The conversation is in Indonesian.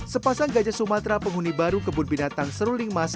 sepasang gajah sumatera penghuni baru kebun binatang seruling mas